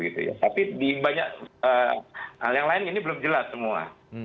tapi di banyak hal yang lain ini belum jelas semua